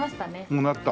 もうなった。